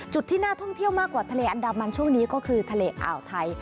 ที่น่าท่องเที่ยวมากกว่าทะเลอันดามันช่วงนี้ก็คือทะเลอ่าวไทย